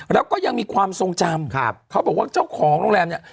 แล้วก็ยังมีความทรงจำครับเขาบอกว่าเจ้าของโรงแรมเนี่ย